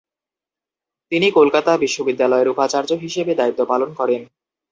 তিনি কলকাতা বিশ্ববিদ্যালয়ের উপাচার্য হিসেবে দায়িত্ব পালন করেন।